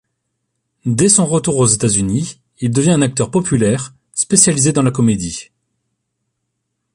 Dès son retour aux États-Unis, il devient un acteur populaire, spécialisé dans la comédie.